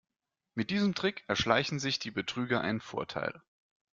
Mit diesem Trick erschleichen sich die Betrüger einen Vorteil.